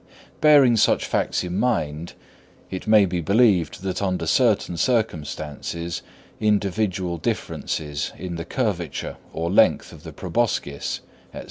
Bearing such facts in mind, it may be believed that under certain circumstances individual differences in the curvature or length of the proboscis, &c.